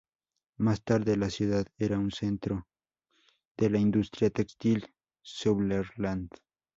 Más tarde, la ciudad era un centro de la industria textil Sauerland.